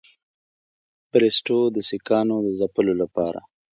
بریسټو د سیکهانو د ځپلو لپاره.